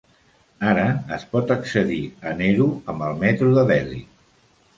Ara es pot accedir a Nehru amb el metro de Delhi.